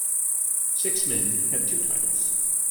Six men have two titles.